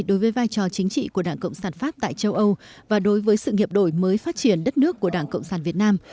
đối với vai trò chính trị của đảng cộng sản pháp tại châu âu và đối với sự nghiệp đổi mới phát triển đất nước của đảng cộng sản việt nam